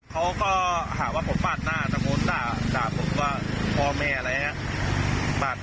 เขาก็หาว่าผมปาดหน้าตะโม้ตะตะผมก็พอแม่อะไรอย่างนี้ครับ